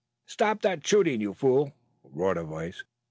"Stop that shooting, you fool!" roared a voice.